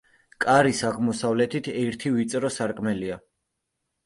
კარის აღმოსავლეთით ერთი ვიწრო სარკმელია.